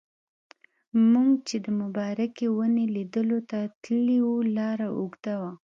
موږ چې د مبارکې ونې لیدلو ته تللي وو لاره اوږده وه.